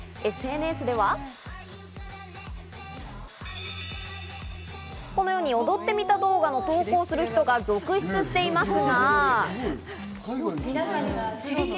ＳＮＳではこのように踊ってみた動画に投稿する人が続出しています。